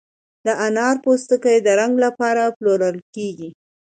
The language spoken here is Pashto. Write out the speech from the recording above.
د انارو پوستکي د رنګ لپاره پلورل کیږي؟